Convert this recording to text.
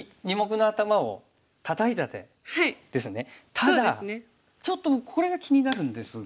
ただちょっと僕これが気になるんですが。